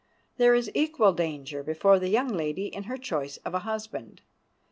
There is equal danger before the young lady in her choice of a husband.